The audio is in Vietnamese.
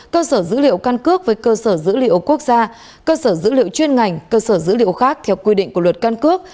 cơ sở dữ liệu căn cước với cơ sở dữ liệu quốc gia cơ sở dữ liệu chuyên ngành cơ sở dữ liệu khác theo quy định của luật căn cước